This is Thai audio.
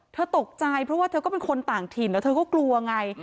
เธอตกใจเพราะว่าเธอก็เป็นคนต่างถิ่นแล้วเธอก็กลัวไง